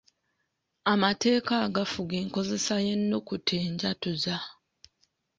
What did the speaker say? Amateeka agafuga enkozesa y’ennukuta enjatuza.